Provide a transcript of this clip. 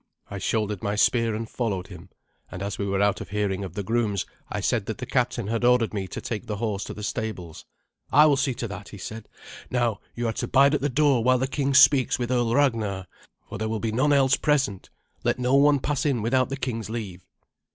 I shouldered my spear and followed him, and as we were out of hearing of the grooms I said that the captain had ordered me to take the horse to the stables. "I will see to that," he said. "Now you are to bide at the door while the king speaks with Earl Ragnar, for there will be none else present. Let no one pass in without the king's leave."